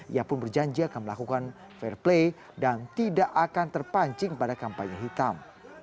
ia pun berjanji akan melakukan fair play dan tidak akan terpancing pada kampanye hitam